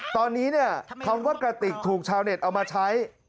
ตอนนี้เนี่ยคำว่ากระติกถูกชาวเน็ตเอามาใช้